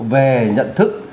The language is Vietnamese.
về nhận thức